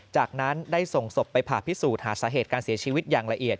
จากนั้นได้ส่งศพไปผ่าพิสูจน์หาสาเหตุการเสียชีวิตอย่างละเอียด